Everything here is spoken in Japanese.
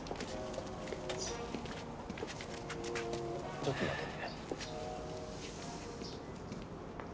ちょっと待っててね。